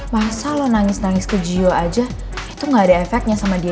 masa lo nangis nangis kejiwa aja itu gak ada efeknya sama dia